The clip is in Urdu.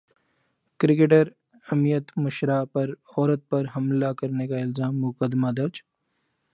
کرکٹر امیت مشرا پر عورت پر حملہ کرنے کا الزام مقدمہ درج